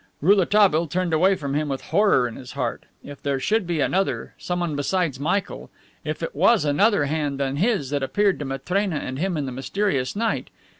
Rouletabille turned away from him with horror in his heart. If there should be another, someone besides Michael! If it was another hand than his that appeared to Matrena and him in the mysterious night!